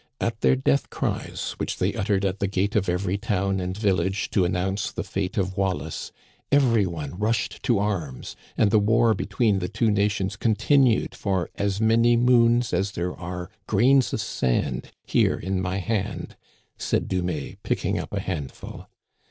At their death cries, which they uttered at the gate of every town and village to an nounce the fate of Wallace, every one rushed to arms; and the war between the two nations continued for as many moons as there are grains of sand here in my hand," said Dumais, picking up a handful.